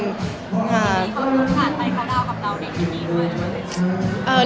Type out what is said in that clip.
พี่มีมีความรู้สึกขนาดไฟคาวดาวกับเราในที่นี่ด้วย